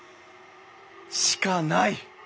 しかない！